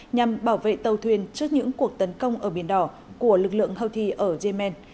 nhằm bảo vệ tàu thuyền trước những cuộc tấn công ở biển đỏ của lực lượng houthi ở yemen